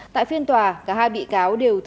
tại phiên tòa cả hai bị cáo đều thử